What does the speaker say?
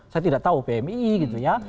saya tidak tahu pmi gitu ya